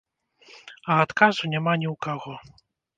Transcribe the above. А адказу няма ні ў каго.